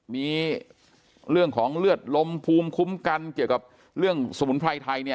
มีเรื่องของเลือดลมภูมิคุ้มกันเกี่ยวกับเรื่องสมุนไพรไทยเนี่ย